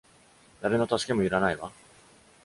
誰の助けも要らないわ！